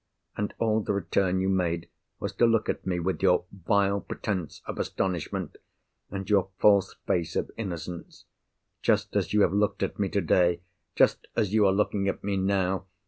And all the return you made, was to look at me with your vile pretence of astonishment, and your false face of innocence—just as you have looked at me today; just as you are looking at me now!